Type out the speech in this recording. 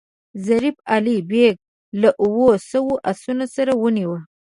ظفر علي بیګ له اوو سوو آسونو سره ونیوی.